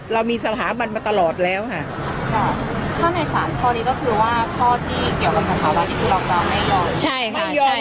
เรามีสถาบันมาตลอดแล้วค่ะถ้าในสารพอดีก็คือว่าข้อที่เกี่ยวกับสถาบันที่คุณรองรองไม่ยอม